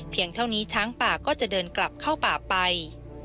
เท่านี้ช้างป่าก็จะเดินกลับเข้าป่าไป